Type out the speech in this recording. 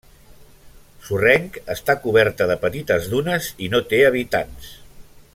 Sorrenc, està coberta de petites dunes, i no té habitants.